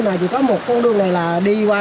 mà chỉ có một con đường này là đi qua